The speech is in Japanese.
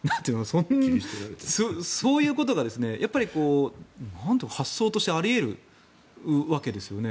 そういうことが発想としてあり得るわけですよね。